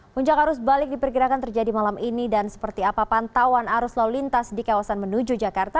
puncak arus balik diperkirakan terjadi malam ini dan seperti apa pantauan arus lalu lintas di kawasan menuju jakarta